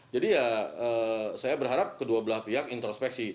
jadi ya saya berharap kedua belah pihak introspeksi